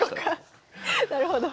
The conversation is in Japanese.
なるほど。